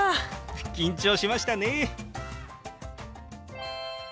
緊張しましたね。